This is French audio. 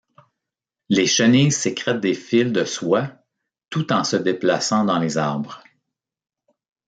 Les chenilles sécrètent des fils de soie tout en se déplaçant dans les arbres.